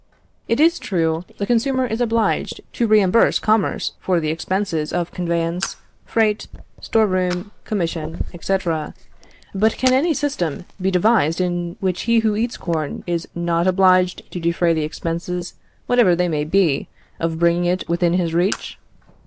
It is true, the consumer is obliged to reimburse commerce for the expenses of conveyance, freight, store room, commission, &c. but can any system be devised in which he who eats corn is not obliged to defray the expenses, whatever they may be, of bringing it within his reach?